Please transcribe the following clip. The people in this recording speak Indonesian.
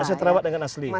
masih terawat dengan asli